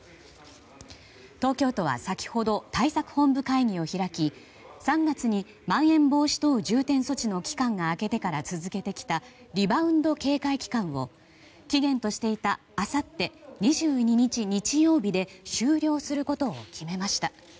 東京都は先ほど対策本部会議を開き３月にまん延防止等重点措置の期間が明けてから続けてきたリバウンド警戒期間を期限としていたあさって２２日、日曜日で終了することを決めました。